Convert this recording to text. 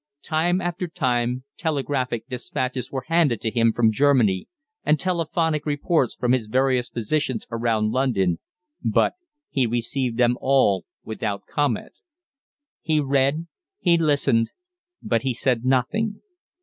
Time after time telegraphic despatches were handed to him from Germany, and telephonic reports from his various positions around London, but he received them all without comment. He read, he listened, but he said nothing.